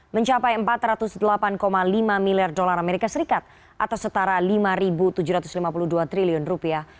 mencapai empat ratus delapan lima miliar dolar amerika serikat atau setara lima tujuh ratus lima puluh dua triliun rupiah